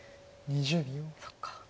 そっか。